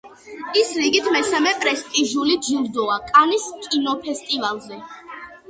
ის რიგით მესამე პრესტიჟული ჯილდოა კანის კინოფესტივალზე.